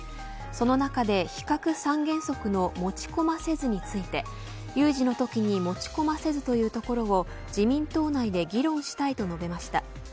その中で、非核三原則の持ち込ませずについて有事のときに持ち込ませず、というところを自民党内で議論したいと述べました。